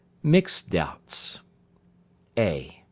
Mixed Doubts. (a).